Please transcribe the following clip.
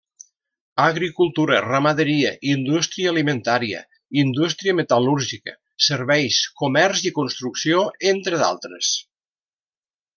Agricultura, ramaderia, indústria alimentària, indústria metal·lúrgica, serveis, comerç i construcció, entre d'altres.